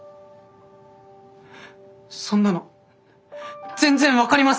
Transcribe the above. そんなの全然分かりません。